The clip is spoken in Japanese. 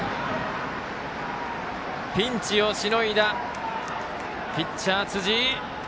ピンチをしのいだピッチャー、辻井。